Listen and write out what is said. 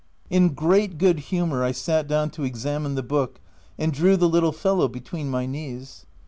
In great good humour, I sat down to examine the book and drew the little fellow between my knees.